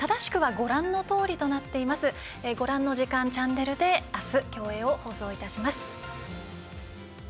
ご覧の時間、チャンネルであす、競泳を放送いたします。